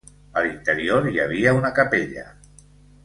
A l'interior hi havia una capella.